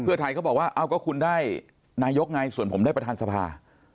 เพื่อไทยเขาบอกว่าเอ้าก็คุณได้นายกไงส่วนผมได้ประธานสภา